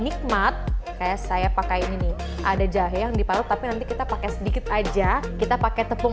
nikmat saya pakai ini ada jahe yang dipalut tapi nanti kita pakai sedikit aja kita pakai tepung